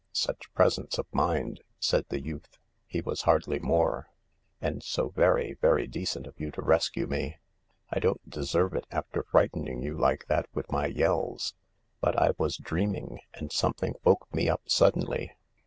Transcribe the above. "Such presence of mind," said the youth— he was hardly more —" andso very, very decent of you to rescue me. I don't deserve it, after frightening you like that with my yells. But I was dreaming, and something woke me up suddenly."